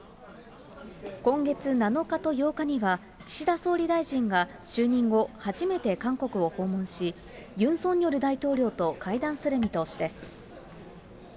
今月７日と８日には、岸田総理大臣が就任後、初めて韓国を訪問し、ユン・ソンニョル大統領と会談する見通しです。